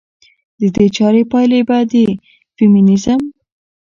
د دې چارې پايلې به د فيمينزم